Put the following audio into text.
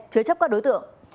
chứa chấp các đối tượng